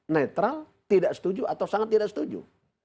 netral tidak setuju atau sangat tidak setuju